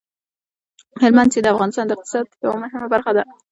هلمند سیند د افغانستان د اقتصاد یوه مهمه برخه ده.